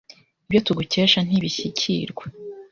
ibyo tugukesha ntibishyikirwa,